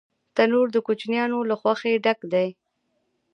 تنور د کوچنیانو له خوښۍ ډک دی